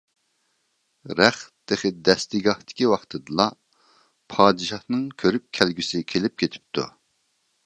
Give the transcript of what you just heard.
رەخت تېخى دەستىگاھتىكى ۋاقتىدىلا، پادىشاھنىڭ كۆرۈپ كەلگۈسى كېلىپ كېتىپتۇ.